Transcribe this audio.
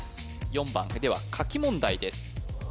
４番では書き問題です